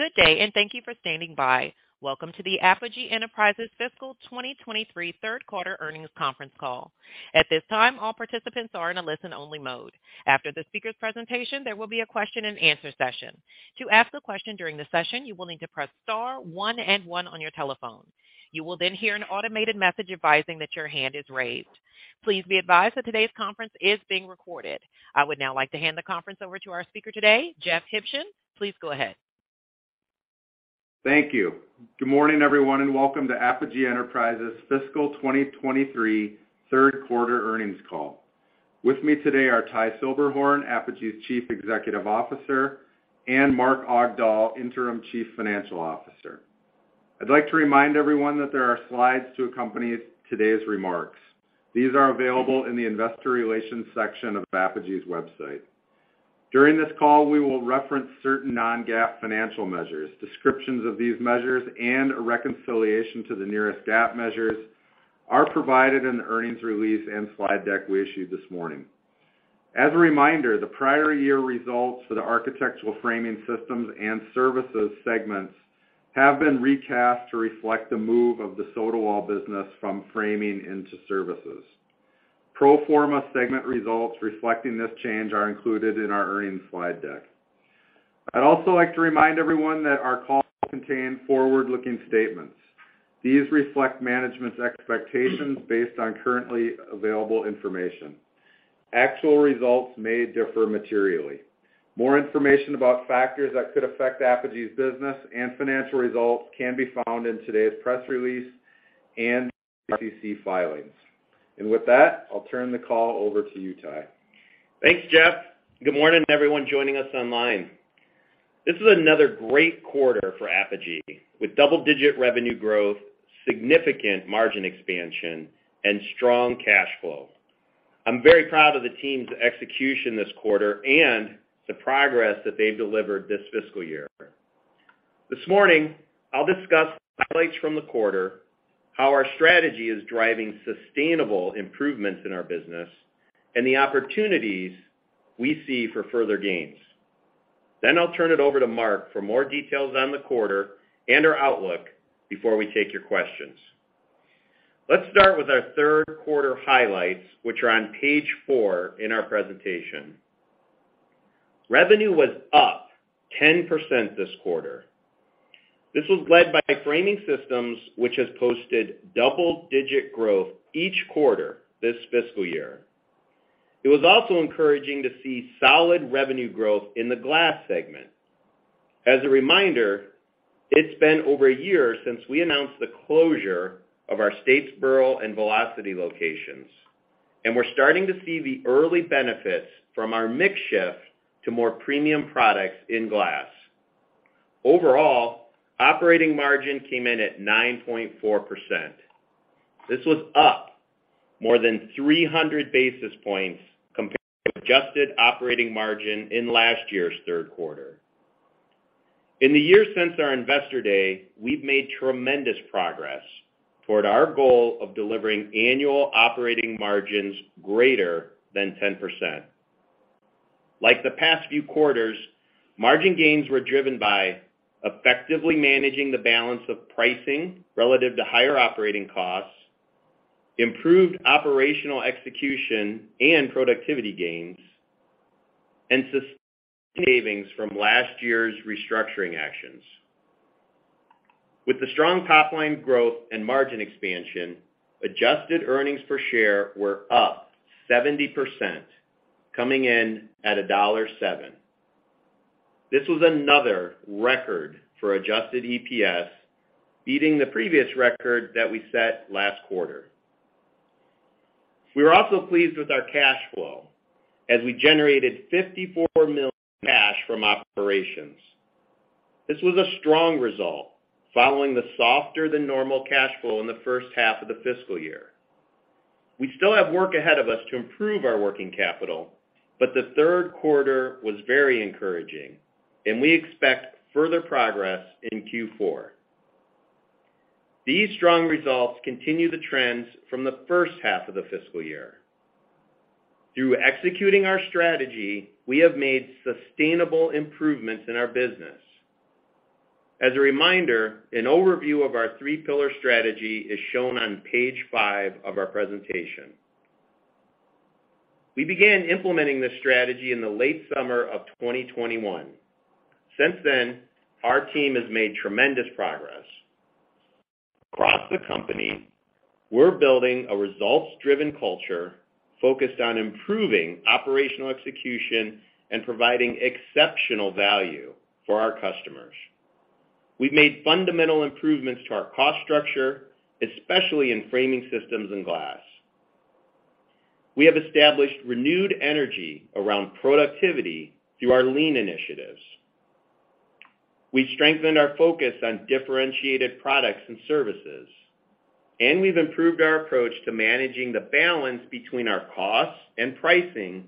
Good day. Thank you for standing by. Welcome to the Apogee Enterprises Fiscal 2023 Third Quarter Earnings Conference Call. At this time, all participants are in a listen-only mode. After the speaker's presentation, there will be a question-and-answer session. To ask a question during the session, you will need to press star one and one on your telephone. You will then hear an automated message advising that your hand is raised. Please be advised that today's conference is being recorded. I would now like to hand the conference over to our speaker today, Jeff Huebschen. Please go ahead. Thank you. Good morning, everyone, and welcome to Apogee Enterprises Fiscal 2023 third quarter earnings call. With me today are Ty Silberhorn, Apogee's Chief Executive Officer, and Mark Augdahl, Interim Chief Financial Officer. I'd like to remind everyone that there are slides to accompany today's remarks. These are available in the Investor Relations section of Apogee's website. During this call, we will reference certain non-GAAP financial measures. Descriptions of these measures and a reconciliation to the nearest GAAP measures are provided in the earnings release and slide deck we issued this morning. As a reminder, the prior year results for the Architectural Framing Systems and Services segments have been recast to reflect the move of the Sotawall business from framing into services. Pro forma segment results reflecting this change are included in our earnings slide deck. I'd also like to remind everyone that our calls contain forward-looking statements. These reflect management's expectations based on currently available information. Actual results may differ materially. More information about factors that could affect Apogee's business and financial results can be found in today's press release and SEC filings. With that, I'll turn the call over to you, Ty. Thanks, Jeff. Good morning to everyone joining us online. This is another great quarter for Apogee, with double-digit revenue growth, significant margin expansion, and strong cash flow. I'm very proud of the team's execution this quarter and the progress that they've delivered this fiscal year. This morning, I'll discuss highlights from the quarter, how our strategy is driving sustainable improvements in our business, and the opportunities we see for further gains. I'll turn it over to Mark for more details on the quarter and our outlook before we take your questions. Let's start with our third quarter highlights, which are on page four in our presentation. Revenue was up 10% this quarter. This was led by Framing Systems, which has posted double-digit growth each quarter this fiscal year. It was also encouraging to see solid revenue growth in the Glass segment. As a reminder, it's been over a year since we announced the closure of our Statesboro and Velocity locations, and we're starting to see the early benefits from our mix shift to more premium products in Glass. Overall, operating margin came in at 9.4%. This was up more than 300 basis points compared to adjusted operating margin in last year's third quarter. In the year since our Investor Day, we've made tremendous progress toward our goal of delivering annual operating margins greater than 10%. Like the past few quarters, margin gains were driven by effectively managing the balance of pricing relative to higher operating costs, improved operational execution and productivity gains, and sustained savings from last year's restructuring actions. With the strong top-line growth and margin expansion, adjusted earnings per share were up 70%, coming in at $1.07. This was another record for adjusted EPS, beating the previous record that we set last quarter. We were also pleased with our cash flow as we generated $54 million cash from operations. This was a strong result following the softer-than-normal cash flow in the first half of the fiscal year. We still have work ahead of us to improve our working capital, the third quarter was very encouraging, and we expect further progress in Q4. These strong results continue the trends from the first half of the fiscal year. Through executing our strategy, we have made sustainable improvements in our business. As a reminder, an overview of our three-pillar strategy is shown on page five of our presentation. We began implementing this strategy in the late summer of 2021. Since then, our team has made tremendous progress. Across the company, we're building a results-driven culture focused on improving operational execution and providing exceptional value for our customers. We've made fundamental improvements to our cost structure, especially in Framing Systems and Glass. We have established renewed energy around productivity through our Lean initiatives. We've strengthened our focus on differentiated products and services, and we've improved our approach to managing the balance between our costs and pricing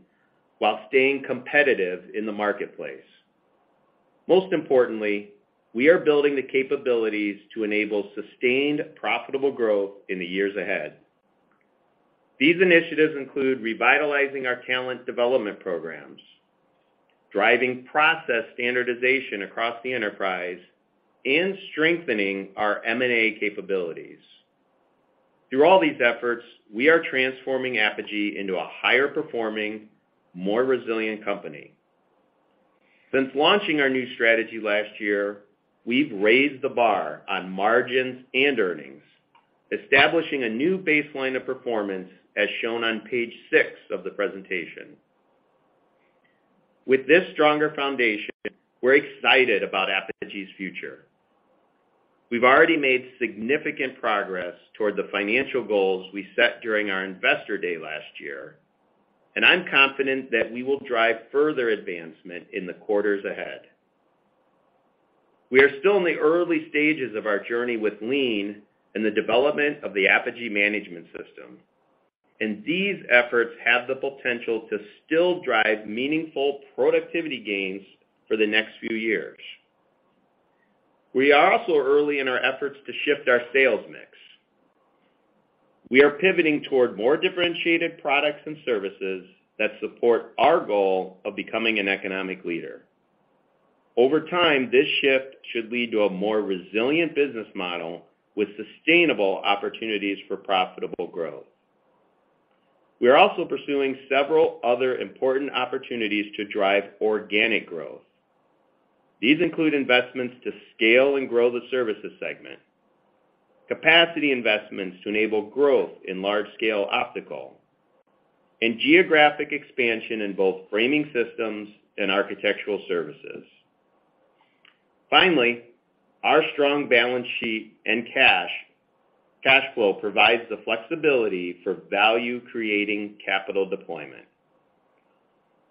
while staying competitive in the marketplace. Most importantly, we are building the capabilities to enable sustained profitable growth in the years ahead. These initiatives include revitalizing our talent development programs, driving process standardization across the enterprise, and strengthening our M&A capabilities. Through all these efforts, we are transforming Apogee into a higher performing, more resilient company. Since launching our new strategy last year, we've raised the bar on margins and earnings, establishing a new baseline of performance as shown on page six of the presentation. With this stronger foundation, we're excited about Apogee's future. We've already made significant progress toward the financial goals we set during our Investor Day last year. I'm confident that we will drive further advancement in the quarters ahead. We are still in the early stages of our journey with Lean and the development of the Apogee Management System. These efforts have the potential to still drive meaningful productivity gains for the next few years. We are also early in our efforts to shift our sales mix. We are pivoting toward more differentiated products and services that support our goal of becoming an economic leader. Over time, this shift should lead to a more resilient business model with sustainable opportunities for profitable growth. We are also pursuing several other important opportunities to drive organic growth. These include investments to scale and grow the Services segment, capacity investments to enable growth in Large-Scale Optical, and geographic expansion in both Framing Systems and Architectural Services. Finally, our strong balance sheet and cash flow provides the flexibility for value-creating capital deployment.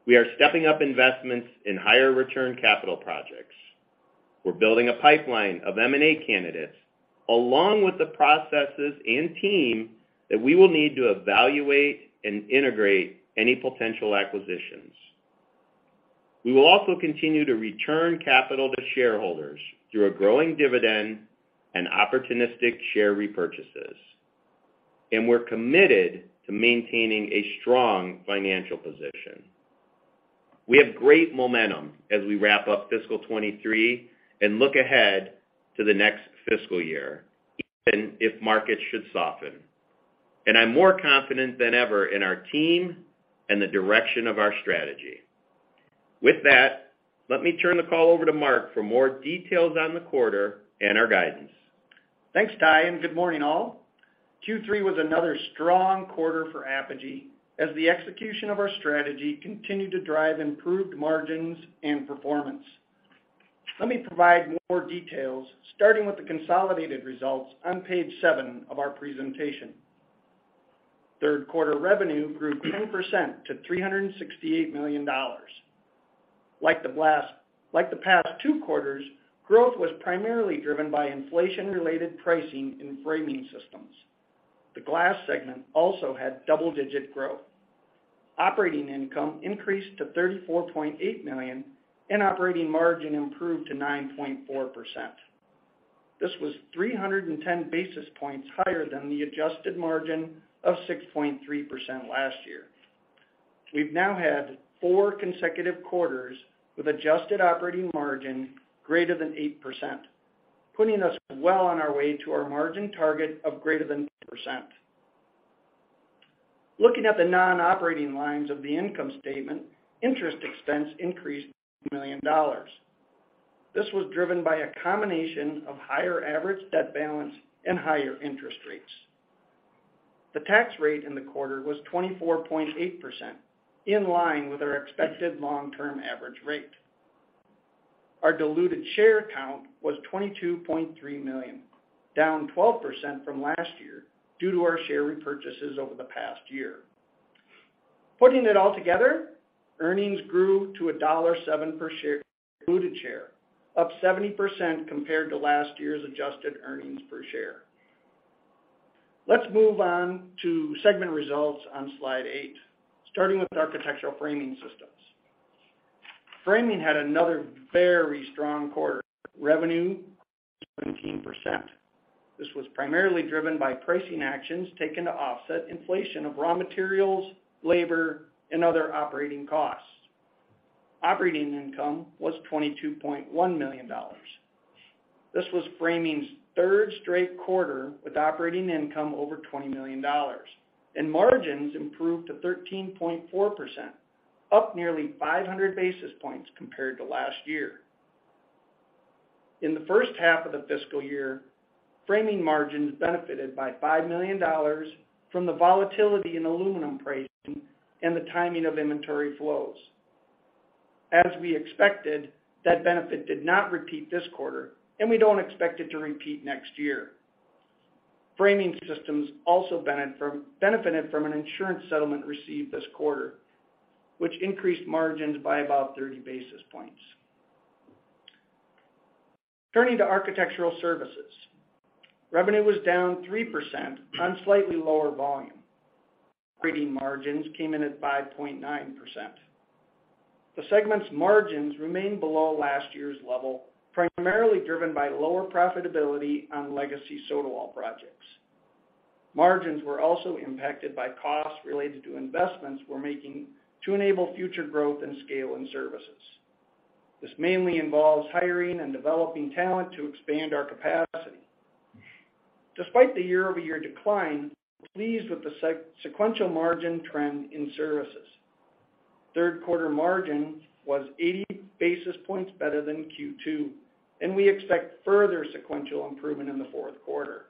We are stepping up investments in higher return capital projects. We're building a pipeline of M&A candidates along with the processes and team that we will need to evaluate and integrate any potential acquisitions. We will also continue to return capital to shareholders through a growing dividend and opportunistic share repurchases, and we're committed to maintaining a strong financial position. We have great momentum as we wrap up fiscal 2023 and look ahead to the next fiscal year, even if markets should soften. I'm more confident than ever in our team and the direction of our strategy. With that, let me turn the call over to Mark for more details on the quarter and our guidance. Thanks, Ty. Good morning all. Q3 was another strong quarter for Apogee as the execution of our strategy continued to drive improved margins and performance. Let me provide more details, starting with the consolidated results on page seven of our presentation. Third quarter revenue grew 10% to $368 million. Like the past two quarters, growth was primarily driven by inflation-related pricing in framing systems. The Glass segment also had double-digit growth. Operating income increased to $34.8 million. Operating margin improved to 9.4%. This was 310 basis points higher than the adjusted margin of 6.3% last year. We've now had four consecutive quarters with adjusted operating margin greater than 8%, putting us well on our way to our margin target of greater than 10%. Looking at the non-operating lines of the income statement, interest expense increased $1 million. This was driven by a combination of higher average debt balance and higher interest rates. The tax rate in the quarter was 24.8%, in line with our expected long-term average rate. Our diluted share count was 22.3 million, down 12% from last year due to our share repurchases over the past year. Putting it all together, earnings grew to $1.07 per diluted share, up 70% compared to last year's adjusted earnings per share. Let's move on to segment results on slide eight, starting with Architectural Framing Systems. Framing had another very strong quarter. Revenue 17%. This was primarily driven by pricing actions taken to offset inflation of raw materials, labor, and other operating costs. Operating income was $22.1 million. This was Framing's third straight quarter with operating income over $20 million. Margins improved to 13.4%, up nearly 500 basis points compared to last year. In the first half of the fiscal year, Framing margins benefited by $5 million from the volatility in aluminum pricing and the timing of inventory flows. As we expected, that benefit did not repeat this quarter, and we don't expect it to repeat next year. Framing Systems also benefited from an insurance settlement received this quarter, which increased margins by about 30 basis points. Turning to Architectural Services. Revenue was down 3% on slightly lower volume. Operating margins came in at 5.9%. The segment's margins remained below last year's level, primarily driven by lower profitability on legacy Sotawall projects. Margins were also impacted by costs related to investments we're making to enable future growth and scale in services. This mainly involves hiring and developing talent to expand our capacity. Despite the year-over-year decline, we're pleased with the sequential margin trend in services. Third quarter margin was 80 basis points better than Q2, and we expect further sequential improvement in the fourth quarter.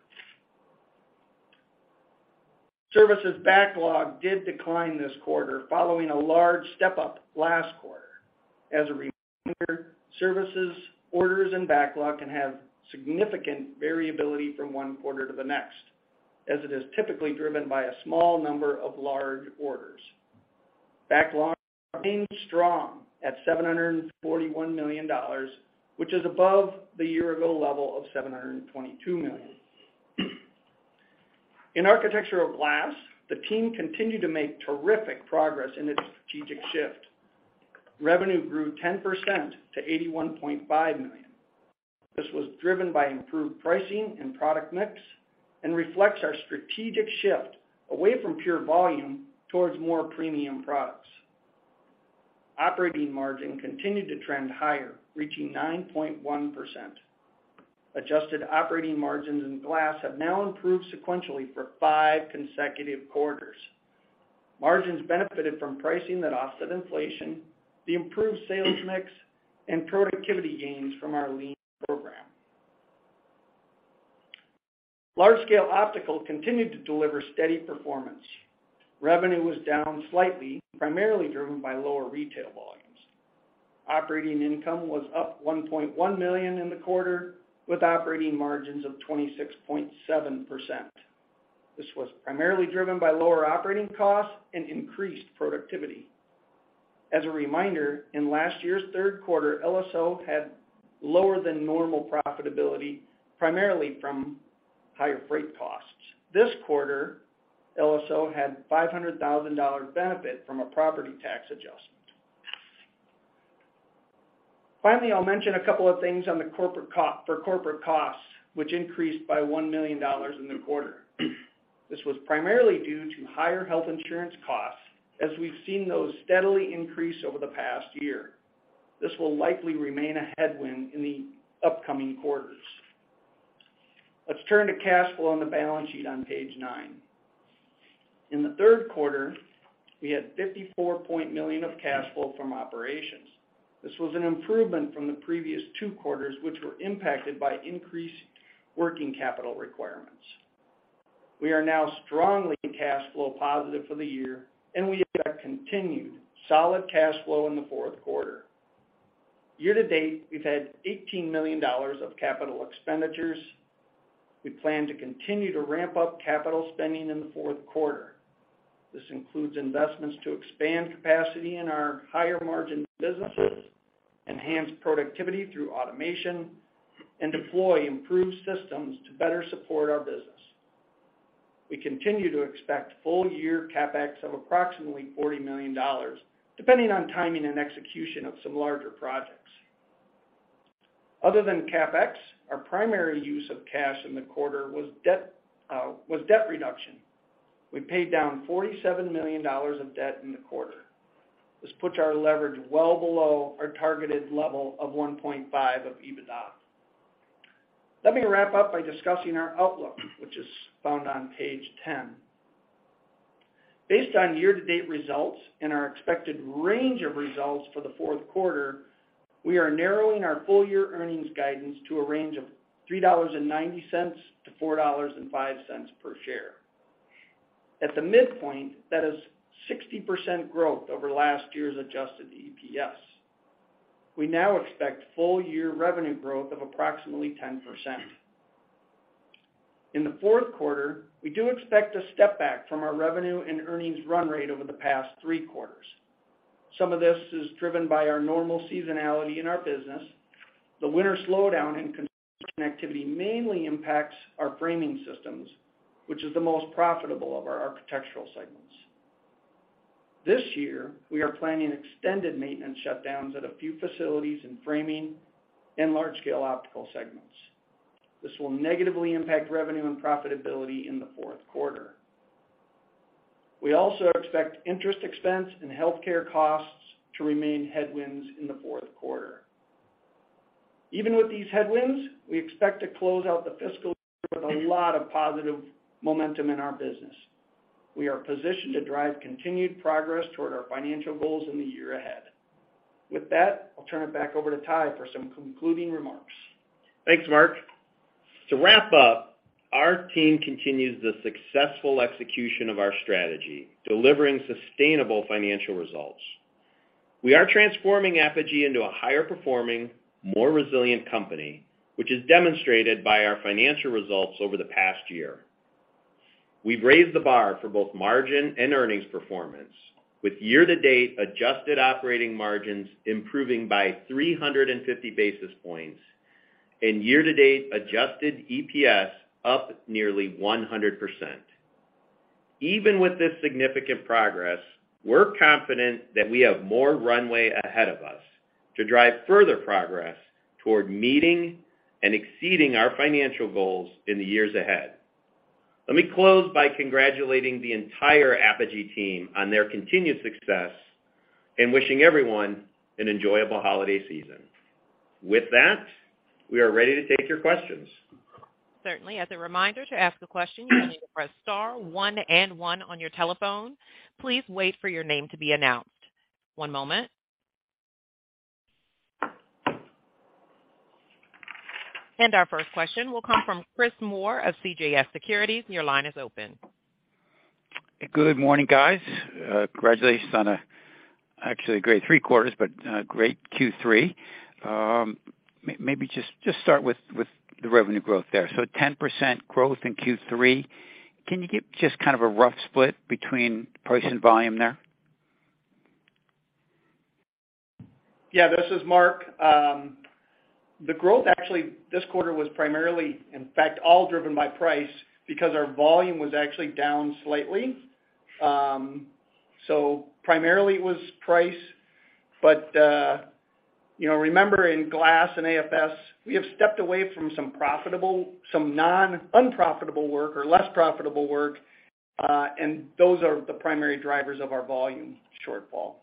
Services backlog did decline this quarter, following a large step-up last quarter. As a reminder, services, orders and backlog can have significant variability from one quarter to the next, as it is typically driven by a small number of large orders. Backlog remains strong at $741 million, which is above the year-ago level of $722 million. In Architectural Glass, the team continued to make terrific progress in its strategic shift. Revenue grew 10% to $81.5 million. This was driven by improved pricing and product mix reflects our strategic shift away from pure volume towards more premium products. Operating margin continued to trend higher, reaching 9.1%. Adjusted operating margins in glass have now improved sequentially for five consecutive quarters. Margins benefited from pricing that offset inflation, the improved sales mix, and productivity gains from our Lean program. Large-Scale Optical continued to deliver steady performance. Revenue was down slightly, primarily driven by lower retail volumes. Operating income was up $1.1 million in the quarter, with operating margins of 26.7%. This was primarily driven by lower operating costs and increased productivity. As a reminder, in last year's third quarter, LSO had lower than normal profitability, primarily from higher freight costs. This quarter, LSO had $500,000 benefit from a property tax adjustment. I'll mention a couple of things on the corporate costs, which increased by $1 million in the quarter. This was primarily due to higher health insurance costs, as we've seen those steadily increase over the past year. This will likely remain a headwind in the upcoming quarters. Let's turn to cash flow on the balance sheet on page nine. In the third quarter, we had $54 million of cash flow from operations. This was an improvement from the previous two quarters, which were impacted by increased working capital requirements. We are now strongly cash flow positive for the year, we expect continued solid cash flow in the fourth quarter. Year to date, we've had $18 million of capital expenditures. We plan to continue to ramp up capital spending in the fourth quarter. This includes investments to expand capacity in our higher-margin businesses, enhance productivity through automation, and deploy improved systems to better support our business. We continue to expect full-year CapEx of approximately $40 million, depending on timing and execution of some larger projects. Other than CapEx, our primary use of cash in the quarter was debt reduction. We paid down $47 million of debt in the quarter. This puts our leverage well below our targeted level of 1.5x of EBITDA. Let me wrap up by discussing our outlook, which is found on page 10. Based on year-to-date results and our expected range of results for the fourth quarter, we are narrowing our full-year earnings guidance to a range of $3.90-$4.05 per share. At the midpoint, that is 60% growth over last year's adjusted EPS. We now expect full-year revenue growth of approximately 10%. In the fourth quarter, we do expect a step back from our revenue and earnings run rate over the past three quarters. Some of this is driven by our normal seasonality in our business. The winter slowdown in construction activity mainly impacts our Framing Systems, which is the most profitable of our Architectural segments. This year, we are planning extended maintenance shutdowns at a few facilities in Framing and Large-Scale Optical segments. This will negatively impact revenue and profitability in the fourth quarter. We also expect interest expense and healthcare costs to remain headwinds in the fourth quarter. Even with these headwinds, we expect to close out the fiscal year with a lot of positive momentum in our business. We are positioned to drive continued progress toward our financial goals in the year ahead. With that, I'll turn it back over to Ty for some concluding remarks. Thanks, Mark. To wrap up, our team continues the successful execution of our strategy, delivering sustainable financial results. We are transforming Apogee into a higher-performing, more resilient company, which is demonstrated by our financial results over the past year. We've raised the bar for both margin and earnings performance with year-to-date adjusted operating margins improving by 350 basis points and year-to-date adjusted EPS up nearly 100%. Even with this significant progress, we're confident that we have more runway ahead of us to drive further progress toward meeting and exceeding our financial goals in the years ahead. Let me close by congratulating the entire Apogee team on their continued success and wishing everyone an enjoyable holiday season. With that, we are ready to take your questions. Certainly. As a reminder, to ask a question, you need to press star one and one on your telephone. Please wait for your name to be announced. One moment. Our first question will come from Chris Moore of CJS Securities. Your line is open. Good morning, guys. Congratulations on actually a great three quarters, great Q3. Maybe just start with the revenue growth there. 10% growth in Q3. Can you give just kind of a rough split between price and volume there? Yeah, this is Mark. The growth actually this quarter was primarily, in fact, all driven by price because our volume was actually down slightly. Primarily it was price. You know, remember in Glass and AFS, we have stepped away from some profitable, some non-unprofitable work or less profitable work, and those are the primary drivers of our volume shortfall.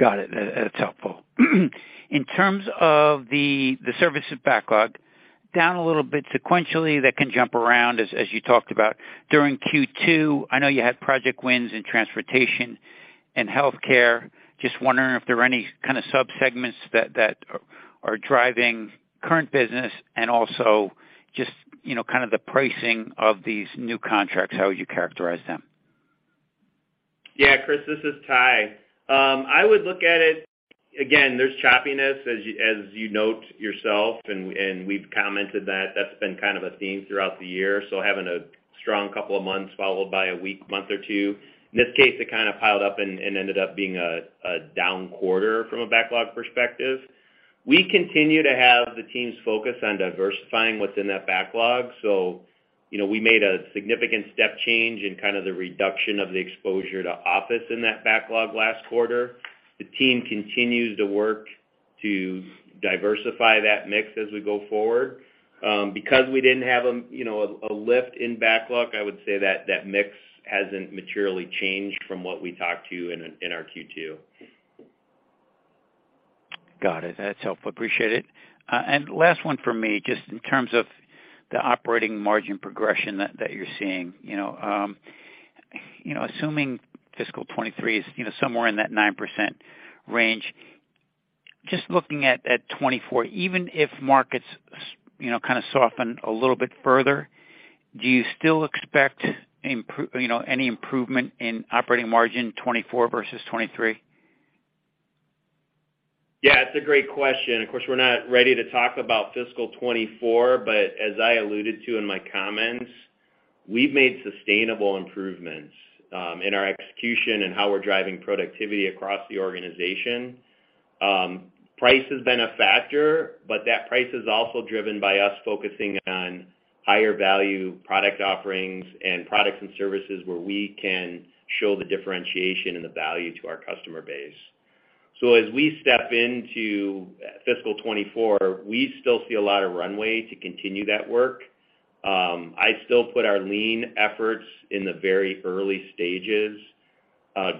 Got it. That's helpful. In terms of the service backlog, down a little bit sequentially that can jump around as you talked about. During Q2, I know you had project wins in transportation and healthcare. Just wondering if there are any kind of subsegments that are driving current business and also just, you know, kind of the pricing of these new contracts, how would you characterize them? Yeah, Chris, this is Ty. I would look at it... There's choppiness, as you note yourself, and we've commented that that's been kind of a theme throughout the year. Having a strong couple of months followed by a weak month or two. In this case, it kind of piled up and ended up being a down quarter from a backlog perspective. We continue to have the teams focus on diversifying what's in that backlog. You know, we made a significant step change in kind of the reduction of the exposure to office in that backlog last quarter. The team continues to work to diversify that mix as we go forward. Because we didn't have a, you know, a lift in backlog, I would say that mix hasn't materially changed from what we talked to in our Q2. Got it. That's helpful. Appreciate it. Last one for me, just in terms of the operating margin progression that you're seeing. You know, you know, assuming fiscal 2023 is, you know, somewhere in that 9% range, just looking at 2024, even if markets you know, kind of soften a little bit further, do you still expect you know, any improvement in operating margin 2024 versus 2023? It's a great question. Of course, we're not ready to talk about fiscal 2024, as I alluded to in my comments, we've made sustainable improvements in our execution and how we're driving productivity across the organization. Price has been a factor, but that price is also driven by us focusing on higher value product offerings and products and services where we can show the differentiation and the value to our customer base. As we step into fiscal 2024, we still see a lot of runway to continue that work. I still put our Lean efforts in the very early stages.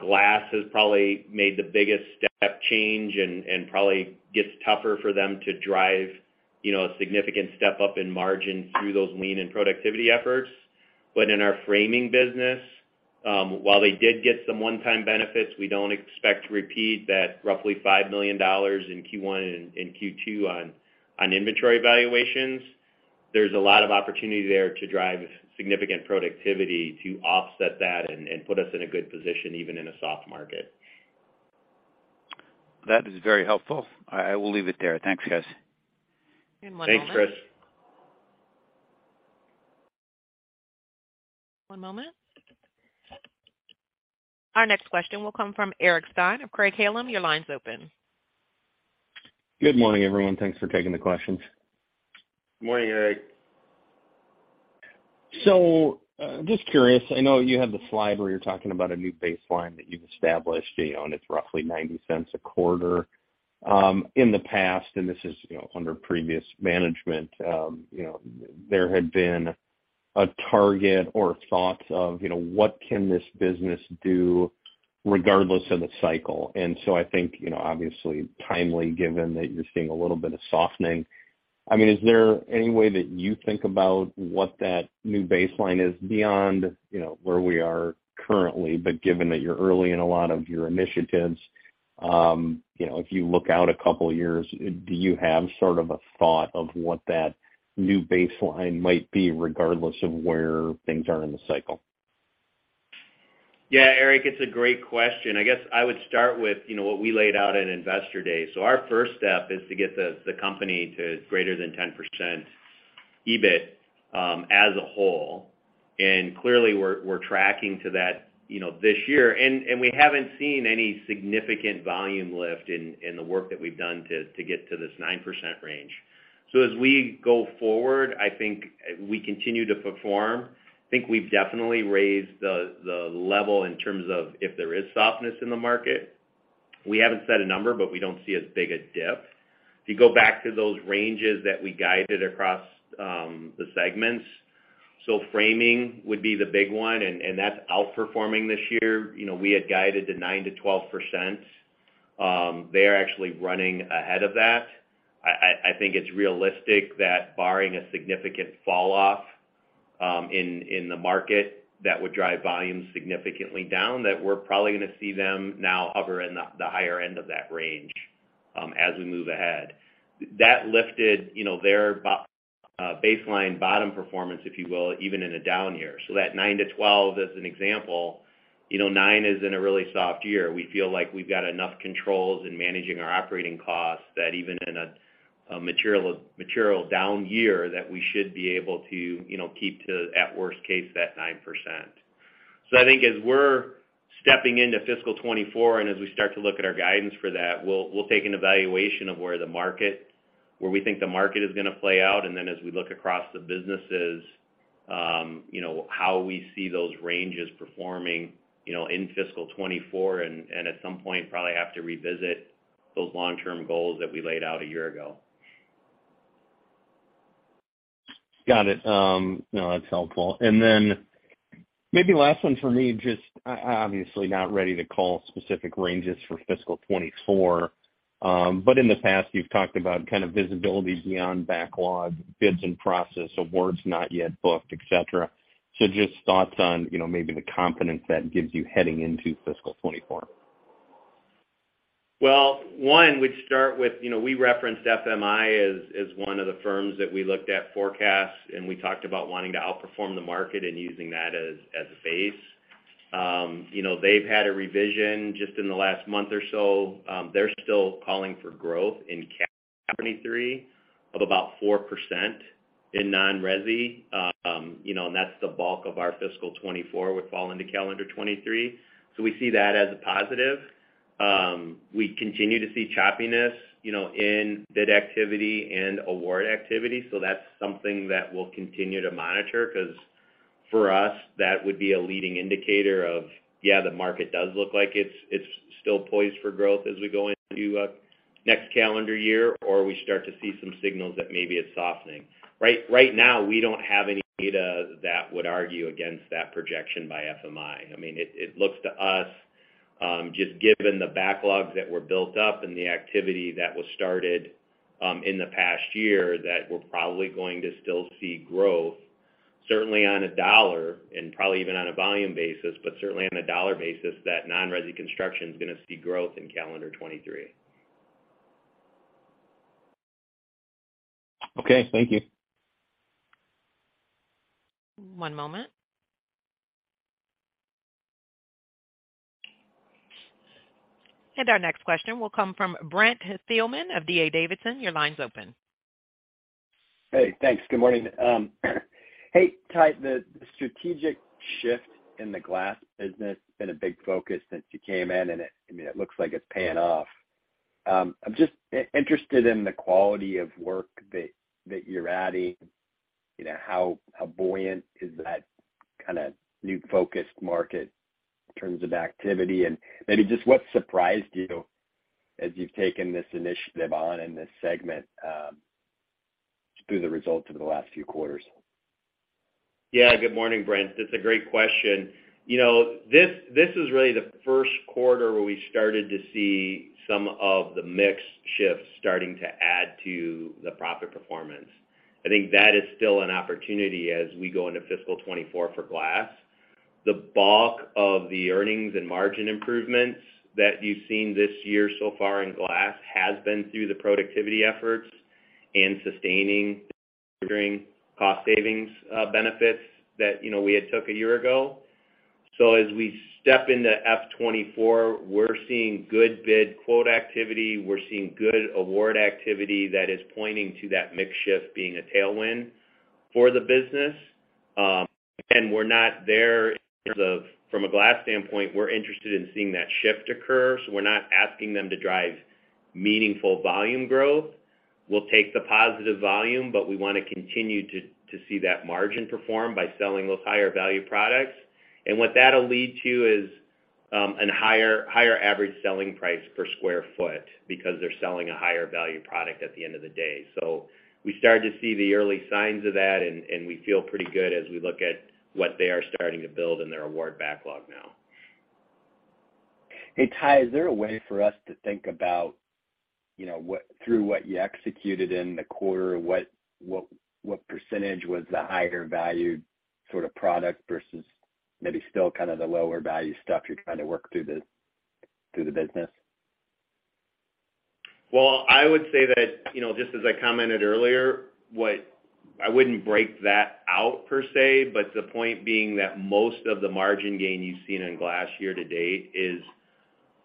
Glass has probably made the biggest step change and probably gets tougher for them to drive, you know, a significant step-up in margin through those Lean and productivity efforts. In our Framing business, while they did get some one-time benefits, we don't expect to repeat that roughly $5 million in Q1 and Q2 on inventory valuations. There's a lot of opportunity there to drive significant productivity to offset that and put us in a good position, even in a soft market. That is very helpful. I will leave it there. Thanks, guys. One moment. Thanks, Chris. One moment. Our next question will come from Eric Stine of Craig-Hallum. Your line's open. Good morning, everyone. Thanks for taking the questions. Morning, Eric. Just curious, I know you have the slide where you're talking about a new baseline that you've established, you know, and it's roughly $0.90 a quarter. In the past, and this is, you know, under previous management, there had been a target or thoughts of, you know, what can this business do regardless of the cycle. I think, you know, obviously timely, given that you're seeing a little bit of softening. I mean, is there any way that you think about what that new baseline is beyond, you know, where we are currently? Given that you're early in a lot of your initiatives, if you look out a couple of years, do you have sort of a thought of what that new baseline might be regardless of where things are in the cycle? Yeah, Eric, it's a great question. I guess I would start with, you know, what we laid out in Investor Day. Our first step is to get the company to greater than 10% EBIT as a whole. Clearly we're tracking to that, you know, this year. We haven't seen any significant volume lift in the work that we've done to get to this 9% range. As we go forward, I think we continue to perform. I think we've definitely raised the level in terms of if there is softness in the market. We haven't set a number, but we don't see as big a dip. If you go back to those ranges that we guided across the segments, so framing would be the big one, and that's outperforming this year. You know, we had guided to 9%-12%. They are actually running ahead of that. I think it's realistic that barring a significant falloff in the market that would drive volumes significantly down, that we're probably gonna see them now hover in the higher end of that range as we move ahead. That lifted, you know, their baseline bottom performance, if you will, even in a down year. That 9%-12%, as an example, you know, 9% is in a really soft year. We feel like we've got enough controls in managing our operating costs that even in a material down year, that we should be able to, you know, keep to, at worst case, that 9%. I think as we're stepping into fiscal 2024, and as we start to look at our guidance for that, we'll take an evaluation of where we think the market is going to play out, and then as we look across the businesses, you know, how we see those ranges performing, you know, in fiscal 2024 and at some point, probably have to revisit those long-term goals that we laid out a year ago. Got it. No, that's helpful. Maybe last one for me, just obviously not ready to call specific ranges for fiscal 2024, but in the past, you've talked about kind of visibility beyond backlog, bids and process, awards not yet booked, et cetera. Just thoughts on, you know, maybe the confidence that gives you heading into fiscal 2024. Well, one, we'd start with, you know, we referenced FMI as one of the firms that we looked at forecasts, and we talked about wanting to outperform the market and using that as a base. You know, they've had a revision just in the last month or so. They're still calling for growth in calendar 2023 of about 4% in non-resi. You know, that's the bulk of our fiscal 2024 would fall into calendar 2023. We see that as a positive. We continue to see choppiness in bid activity and award activity. That's something that we'll continue to monitor, because for us, that would be a leading indicator of the market does look like it's still poised for growth as we go into next calendar year, or we start to see some signals that maybe it's softening. Right now, we don't have any data that would argue against that projection by FMI. It looks to us, just given the backlogs that were built up and the activity that was started in the past year, that we're probably going to still see growth, certainly on a dollar and probably even on a volume basis, but certainly on a dollar basis, that non-resi construction's going to see growth in calendar 2023. Okay, thank you. One moment. Our next question will come from Brent Thielman of D.A. Davidson. Your line's open. Hey, thanks. Good morning. Hey, Ty. The strategic shift in the glass business has been a big focus since you came in, and it, I mean, it looks like it's paying off. I'm just interested in the quality of work that you're adding, you know, how buoyant is that kinda new focused market in terms of activity? Maybe just what surprised you as you've taken this initiative on in this segment, through the results of the last few quarters? Yeah. Good morning, Brent. That's a great question. You know, this is really the first quarter where we started to see some of the mix shifts starting to add to the profit performance. I think that is still an opportunity as we go into fiscal 2024 for glass. The bulk of the earnings and margin improvements that you've seen this year so far in glass has been through the productivity efforts and sustaining, ordering cost savings, benefits that, you know, we had took a year ago. As we step into F-2024, we're seeing good bid quote activity. We're seeing good award activity that is pointing to that mix shift being a tailwind for the business. Again, we're not there in terms of from a glass standpoint, we're interested in seeing that shift occur, we're not asking them to drive meaningful volume growth. We'll take the positive volume, we wanna continue to see that margin perform by selling those higher value products. What that'll lead to is a higher average selling price per square foot because they're selling a higher value product at the end of the day. We started to see the early signs of that, and we feel pretty good as we look at what they are starting to build in their award backlog now. Hey, Ty, is there a way for us to think about, you know, through what you executed in the quarter, what percentage was the higher valued sort of product versus maybe still kind of the lower value stuff you're trying to work through the business? I would say that, you know, just as I commented earlier, I wouldn't break that out per se, but the point being that most of the margin gain you've seen in Glass year to date is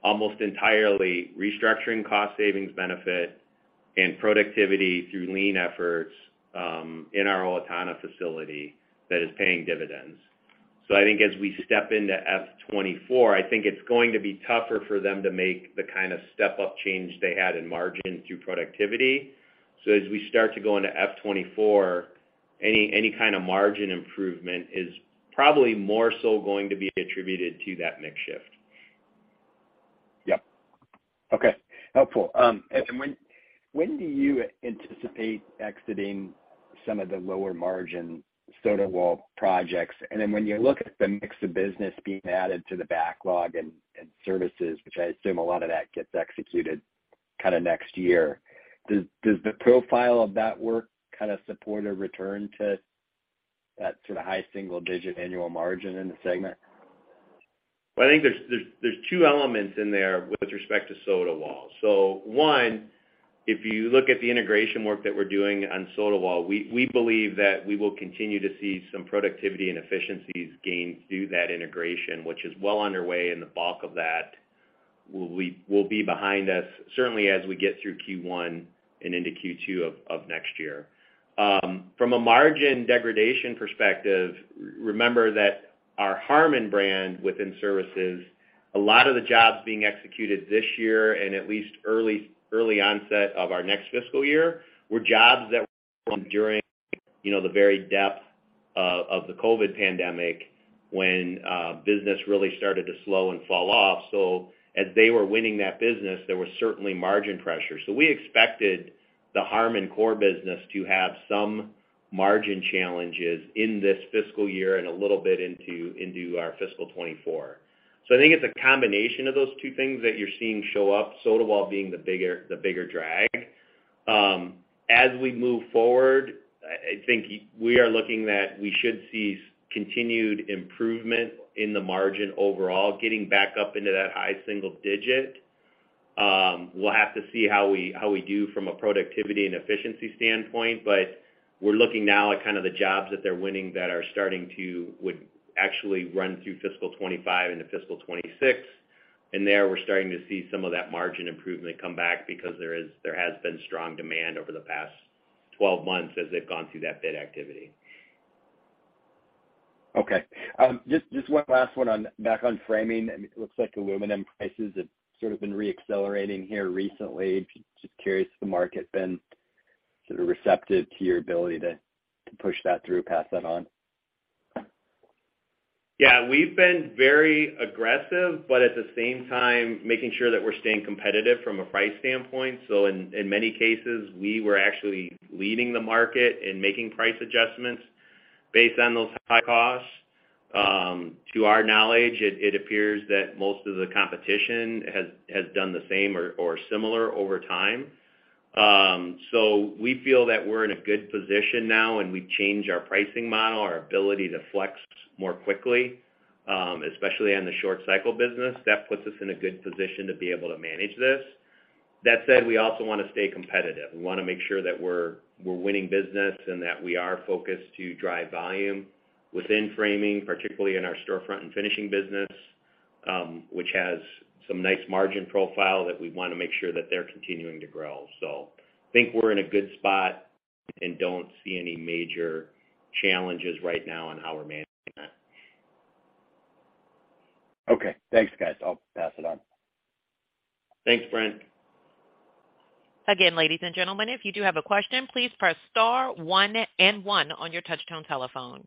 almost entirely restructuring cost savings benefit and productivity through Lean efforts in our Owatonna facility that is paying dividends. I think as we step into F 2024, I think it's going to be tougher for them to make the kind of step-up change they had in margin through productivity. As we start to go into F 2024, any kind of margin improvement is probably more so going to be attributed to that mix shift. Yep. Okay. Helpful. When do you anticipate exiting some of the lower-margin Sotawall projects? When you look at the mix of business being added to the backlog and services, which I assume a lot of that gets executed kinda next year, does the profile of that work kinda support a return to that sort of high single digit annual margin in the segment? Well, I think there's two elements in there with respect to Sotawall. One, if you look at the integration work that we're doing on Sotawall, we believe that we will continue to see some productivity and efficiencies gains through that integration, which is well underway, and the bulk of that will be behind us, certainly as we get through Q1 and into Q2 of next year. From a margin degradation perspective, remember that our Harmon brand within services, a lot of the jobs being executed this year and at least early onset of our next fiscal year were jobs that during, you know, the very depth of the COVID pandemic when business really started to slow and fall off. As they were winning that business, there was certainly margin pressure. We expected the Harmon core business to have some margin challenges in this fiscal year and a little bit into our fiscal 2024. I think it's a combination of those two things that you're seeing show up, Sotawall being the bigger drag. As we move forward, I think we are looking that we should see continued improvement in the margin overall, getting back up into that high single digit. We'll have to see how we do from a productivity and efficiency standpoint. We're looking now at kind of the jobs that they're winning that are starting to actually run through fiscal 2025 into fiscal 2026. There, we're starting to see some of that margin improvement come back because there has been strong demand over the past 12 months as they've gone through that bid activity. Okay. Just one last one back on Framing. I mean, it looks like aluminum prices have sort of been re-accelerating here recently. Just curious if the market been sort of receptive to your ability to push that through, pass that on? Yeah. We've been very aggressive, but at the same time, making sure that we're staying competitive from a price standpoint. In many cases, we were actually leading the market in making price adjustments based on those high costs. To our knowledge, it appears that most of the competition has done the same or similar over time. We feel that we're in a good position now, and we've changed our pricing model, our ability to flex more quickly, especially on the short cycle business. That puts us in a good position to be able to manage this. That said, we also wanna stay competitive. We wanna make sure that we're winning business and that we are focused to drive volume within framing, particularly in our storefront and finishing business, which has some nice margin profile that we wanna make sure that they're continuing to grow. Think we're in a good spot, and don't see any major challenges right now in how we're managing that. Okay. Thanks, guys. I'll pass it on. Thanks, Brent. Again, ladies and gentlemen, if you do have a question, please press star one and one on your touch-tone telephone.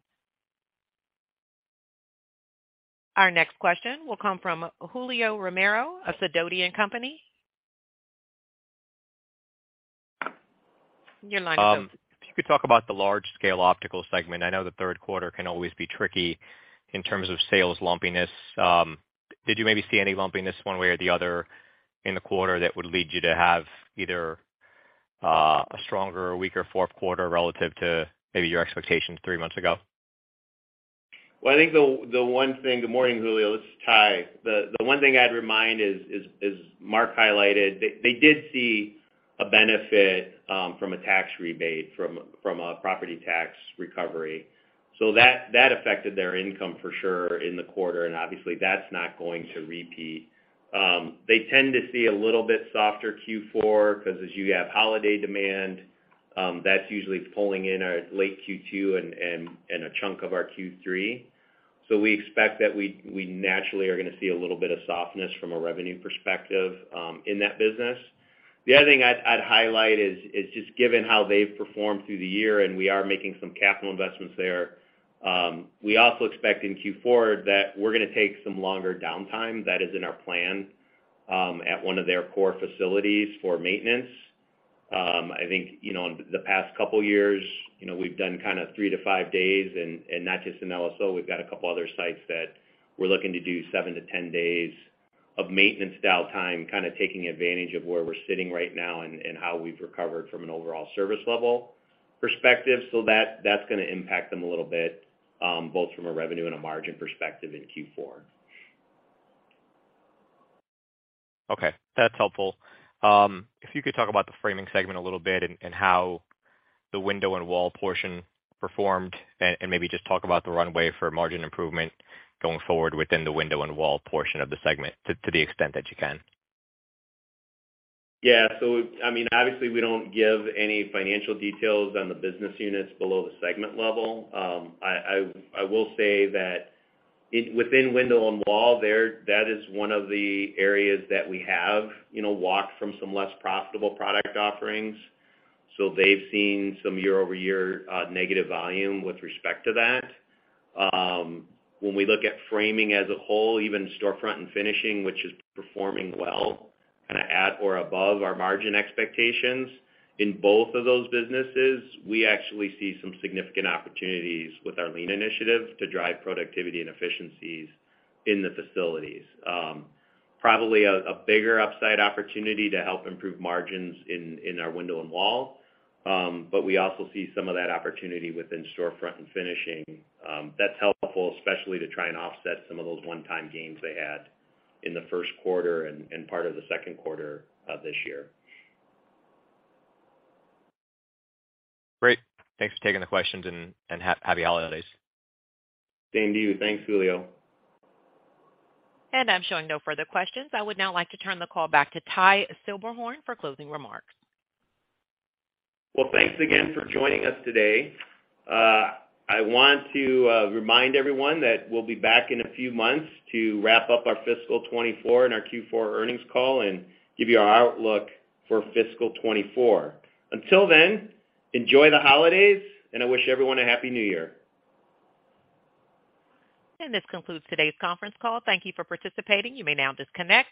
Our next question will come from Julio Romero of Sidoti & Company. Your line is open. If you could talk about the Large-Scale Optical segment, I know the third quarter can always be tricky in terms of sales lumpiness. Did you maybe see any lumpiness one way or the other in the quarter that would lead you to have either a stronger or weaker fourth quarter relative to maybe your expectations three months ago? Well, I think the one thing. Good morning, Julio. This is Ty. The one thing I'd remind is Mark highlighted, they did see a benefit from a tax rebate from a property tax recovery. That affected their income for sure in the quarter, and obviously, that's not going to repeat. They tend to see a little bit softer Q4, 'cause as you have holiday demand, that's usually pulling in our late Q2 and a chunk of our Q3. We expect that we naturally are gonna see a little bit of softness from a revenue perspective in that business. The other thing I'd highlight is just given how they've performed through the year, and we are making some capital investments there, we also expect in Q4 that we're gonna take some longer downtime. That is in our plan, at one of their core facilities for maintenance. I think, you know, in the past couple years, you know, we've done kinda three-five days and not just in LSO. We've got a couple other sites that we're looking to do seven-10 days of maintenance downtime, kinda taking advantage of where we're sitting right now and how we've recovered from an overall service level perspective. That's gonna impact them a little bit, both from a revenue and a margin perspective in Q4. Okay, that's helpful. If you could talk about the Framing segment a little bit and how the window and wall portion performed and maybe just talk about the runway for margin improvement going forward within the window and wall portion of the segment, to the extent that you can. I mean, obviously, we don't give any financial details on the business units below the segment level. I will say that within window and wall there, that is one of the areas that we have, you know, walked from some less profitable product offerings. They've seen some year-over-year negative volume with respect to that. When we look at framing as a whole, even storefront and finishing, which is performing well, kinda at or above our margin expectations, in both of those businesses, we actually see some significant opportunities with our Lean initiative to drive productivity and efficiencies in the facilities. Probably a bigger upside opportunity to help improve margins in our window and wall. We also see some of that opportunity within storefront and finishing. That's helpful, especially to try and offset some of those one-time gains they had in the first quarter and part of the second quarter of this year. Great. Thanks for taking the questions, and happy holidays. Same to you. Thanks, Julio. I'm showing no further questions. I would now like to turn the call back to Ty Silberhorn for closing remarks. Well, thanks again for joining us today. I want to remind everyone that we'll be back in a few months to wrap up our fiscal 2024 in our Q4 earnings call and give you our outlook for fiscal 2024. Until then, enjoy the holidays, and I wish everyone a happy New Year. This concludes today's conference call. Thank you for participating. You may now disconnect.